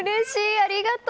ありがとう。